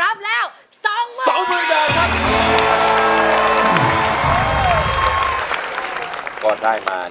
รับแล้ว๒๐๐๐๐ครับครับฮ่าฮ่าฮ่าฮ่าฮ่า